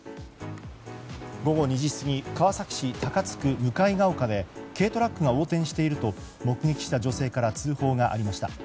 午後２時過ぎ川崎市高津区向ケ丘で軽トラックが横転していると目撃した女性から通報がありました。